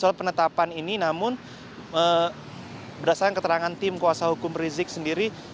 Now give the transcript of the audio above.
soal penetapan ini namun berdasarkan keterangan tim kuasa hukum rizik sendiri